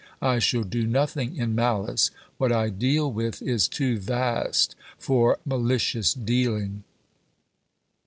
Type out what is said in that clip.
I shaU do nothing in malice. What I deal with is too vast for malicious dealing.